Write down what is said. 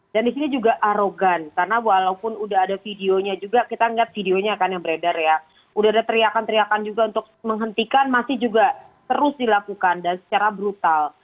dan disini juga arogan karena walaupun sudah ada videonya juga kita lihat videonya kan yang beredar ya sudah ada teriakan teriakan juga untuk menghentikan masih juga terus dilakukan dan secara brutal